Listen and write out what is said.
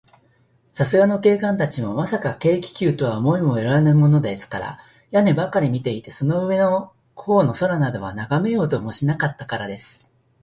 さすがの警官たちも、まさか、軽気球とは思いもよらぬものですから、屋根ばかりを見ていて、その上のほうの空などは、ながめようともしなかったからです。